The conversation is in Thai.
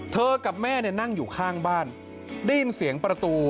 กับแม่นั่งอยู่ข้างบ้านได้ยินเสียงประตู